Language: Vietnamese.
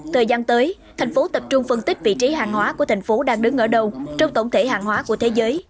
thời gian tới thành phố tập trung phân tích vị trí hàng hóa của thành phố đang đứng ở đầu trong tổng thể hàng hóa của thế giới